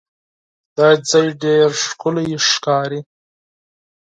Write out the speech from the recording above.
دا ځای ډېر ښکلی ښکاري.